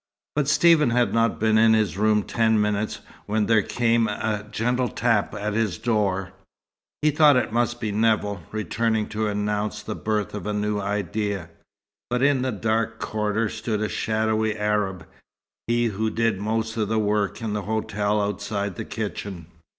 But Stephen had not been in his room ten minutes when there came a gentle tap at his door. He thought that it must be Nevill, returning to announce the birth of a new idea; but in the dark corridor stood a shadowy Arab, he who did most of the work in the hotel outside the kitchen.